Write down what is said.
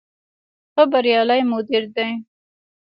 ښه بریالی مدیر دی.